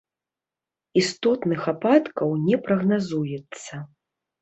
Істотных ападкаў не прагназуецца.